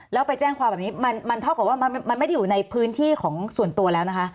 แล้วไปแจ้งความแบบนี้มันเท่ากับว่ามันไม่ได้อยู่ในพื้นที่ของส่วนตัวแล้วนะคะ